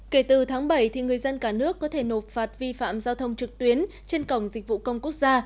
kể từ tháng bảy người dân cả nước có thể nộp phạt vi phạm giao thông trực tuyến trên cổng dịch vụ công quốc gia